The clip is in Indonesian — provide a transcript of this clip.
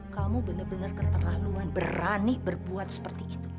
kamu benar benar keterlaluan berani berbuat seperti itu